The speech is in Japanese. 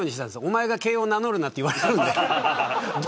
おまえが慶応を名乗るなって言われるんで。